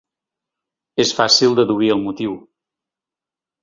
És fàcil deduir el motiu.